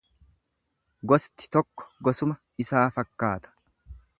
Gosti tokko gosuma isaa fakkaata.